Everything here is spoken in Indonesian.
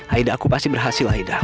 aida aku pasti berhasil aida